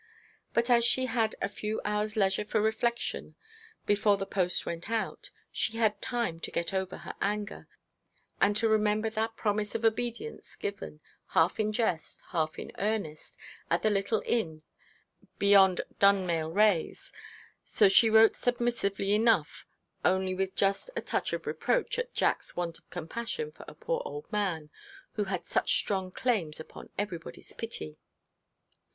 But as she had a few hours' leisure for reflection before the post went out, she had time to get over her anger, and to remember that promise of obedience given, half in jest, half in earnest, at the little inn beyond Dunmail Raise. So she wrote submissively enough, only with just a touch of reproach at Jack's want of compassion for a poor old man who had such strong claims upon everybody's pity.